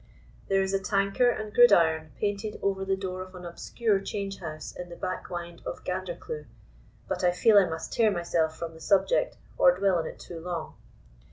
There is a tankard and gridiron painted over the door of an obscure change house in the Back Wynd of Gandercleugh——But I feel I must tear myself from the subject, or dwell on it too long.